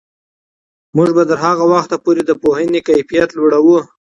موږ به تر هغه وخته پورې د پوهنې کیفیت لوړوو.